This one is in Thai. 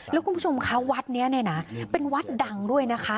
แล้วก็คุณผู้ชมคะวัดนี้เป็นวัดดังด้วยนะคะ